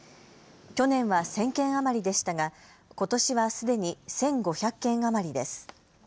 去年は１０００件余りでしたがことしはすでに１５００件余りです。